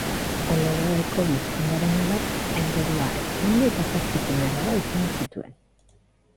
Oloroeko bizkondearen alaba Aingerua ezkondu eta zazpi seme-alaba izan zituen.